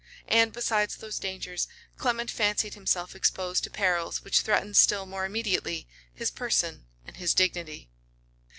And besides these dangers, Clement fancied himself exposed to perils which threatened still more immediately his person and his dignity.